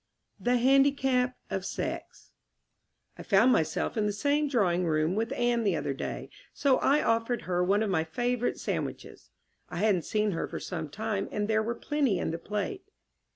THE HANDICAP OF SEX I found myself in the same drawing room with Anne the other day, so I offered her one of my favourite sandwiches. (I hadn't seen her for some time, and there were plenty in the plate.)